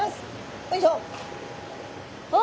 よいしょ。